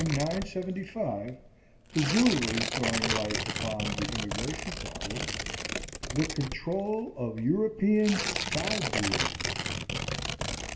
975 (presumably throwing light upon the immigration problem), "The Control of European Foulbrood."